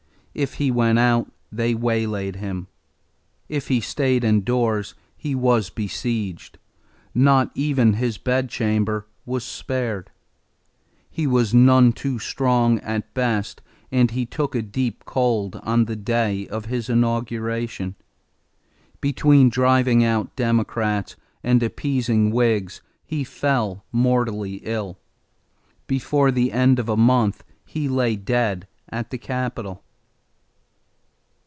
If he went out they waylaid him; if he stayed indoors, he was besieged; not even his bed chamber was spared. He was none too strong at best and he took a deep cold on the day of his inauguration. Between driving out Democrats and appeasing Whigs, he fell mortally ill. Before the end of a month he lay dead at the capitol.